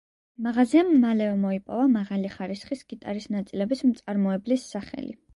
მაღაზიამ მალევე მოიპოვა მაღალი ხარისხის გიტარის ნაწილების მწარმოებლის სახელი.